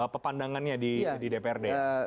pepandangannya di dprd